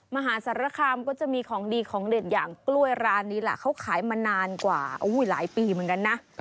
มหาสารคามก็จะมีของดีของเด็ดอย่างกล้วยร้านนี้แหละเขาขายมานานกว่าหลายปีเหมือนกันนะ